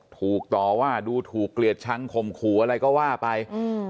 ถูกต่อว่าดูถูกเกลียดชังข่มขู่อะไรก็ว่าไป